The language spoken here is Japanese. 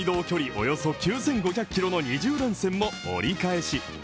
およそ９５００キロの２０連戦も折り返し。